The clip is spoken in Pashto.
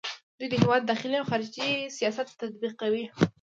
دوی د هیواد داخلي او خارجي سیاست تطبیقوي.